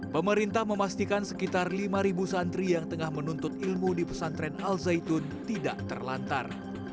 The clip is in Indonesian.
pemerintah memastikan sekitar lima santri yang tengah menuntut ilmu di pesantren al zaitun tidak terlantar